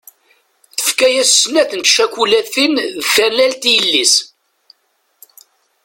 Tefka-as snat tcakulatin d tanalt i yelli-s.